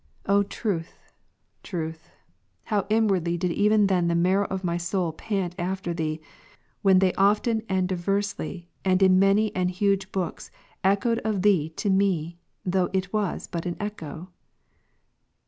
OTruth, Truth, howinwardly dideven then the marrow of my soul pant after Thee, when they often and diversly, and in many and huge books, echoed of Thee to me, though it was but an echo